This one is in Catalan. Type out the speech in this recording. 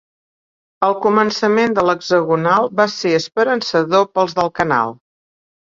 El començament de l'hexagonal va ser esperançador pels del canal.